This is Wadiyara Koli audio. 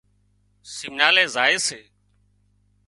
سمنالي زائي سي